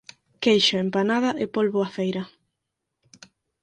Queixo, empanada e polbo á feira.